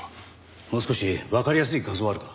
もう少しわかりやすい画像はあるか？